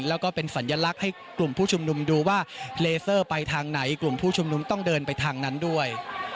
แล้วก็เป็นสัญลักษณ์ให้กลุ่มผู้ชุมนุมดูว่าเลเซอร์ไปทางไหนกลุ่มผู้ชุมนุมต้องเดินไปทางนั้นด้วย